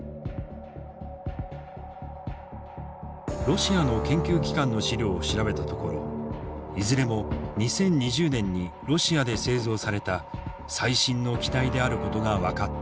ロシアの研究機関の資料を調べたところいずれも２０２０年にロシアで製造された最新の機体であることが分かった。